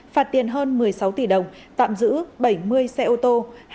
phạt tiền hơn một mươi sáu tỷ đồng tạm giữ bảy mươi xe ô tô